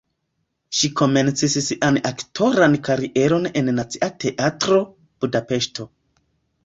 Ŝi komencis sian aktoran karieron en Nacia Teatro (Budapeŝto).